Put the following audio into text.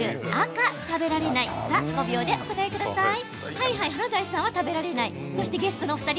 ５秒でお答えください。